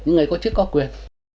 những người có chức có quyền